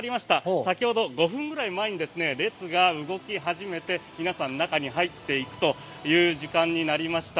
先ほど５分ぐらい前に列が動き始めて皆さん中に入っていくという時間になりました。